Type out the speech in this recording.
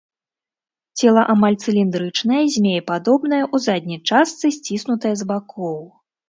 Цела амаль цыліндрычнае, змеепадобнае, у задняй частцы сціснутае з бакоў.